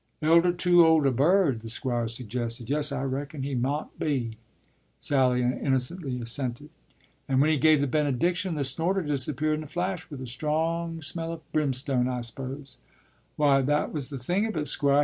” “Elder too old a bird?” the Squire suggested. “Yes, I reckon he mought been,” Sally innocently assented. “And when he gave the benediction, the snorter disappeared in a flash, with a strong smell of brimstone, I suppose?” “Why, that was the thing of it, Squire.